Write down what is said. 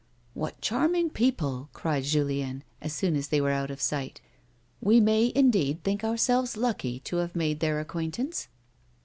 " What charming people !" cried Julien, as soon as they were out of sight. " We may, indeed, think ourselves lucky to have made their acquaintance."